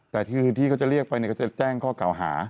แต่คือที่เขาจะเรียกไปก็จะแจ้งข้อเก่าหา